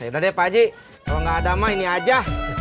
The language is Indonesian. deh pak ji kalau nggak ada mah ini aja